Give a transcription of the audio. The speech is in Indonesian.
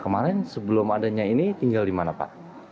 kemarin sebelum adanya ini tinggal di mana pak